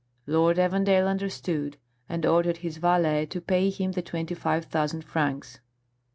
Lord Evandale understood, and ordered his valet to pay him the twenty five thousand francs.